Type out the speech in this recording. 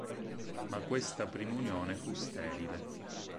Ma questa prima unione fu sterile.